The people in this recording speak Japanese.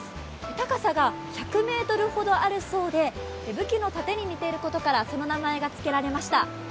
高さが１００ｍほどあるそうで武器の盾に似ていることからその名が付けられました。